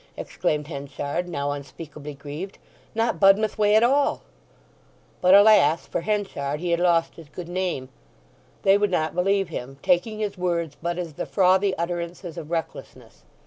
exclaimed Henchard, now unspeakably grieved. "Not Budmouth way at all." But, alas! for Henchard; he had lost his good name. They would not believe him, taking his words but as the frothy utterances of recklessness.